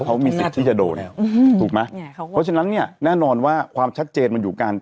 เขามีสิทธิ์ที่จะโดนถูกไหมเพราะฉะนั้นเนี่ยแน่นอนว่าความชัดเจนมันอยู่การ